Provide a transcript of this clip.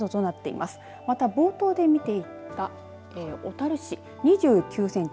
また、冒頭で見ていた小樽市２９センチ。